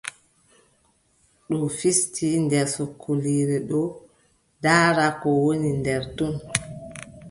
Ɗo fisti nder sokoliire ɗo ndaara ko woni nder ton.